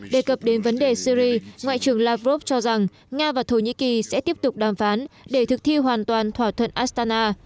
đề cập đến vấn đề syri ngoại trưởng lavrov cho rằng nga và thổ nhĩ kỳ sẽ tiếp tục đàm phán để thực thi hoàn toàn thỏa thuận astana